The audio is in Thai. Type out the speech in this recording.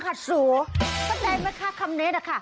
เข้าใจไหมค่ะคำนี้